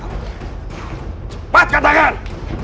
siapa howard cempat kata kan